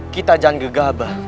kita jangan gegabah